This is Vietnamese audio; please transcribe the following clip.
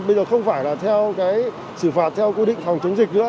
bây giờ không phải là theo cái xử phạt theo quy định phòng chống dịch nữa